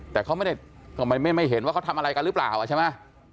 แต่เขาไม่ได้ก็ไม่เห็นว่าเขาทำอะไรกันหรือเปล่าใช่ไหม